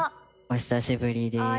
お久しぶりです。